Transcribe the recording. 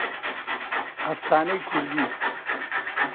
ئەفسانەی کوردی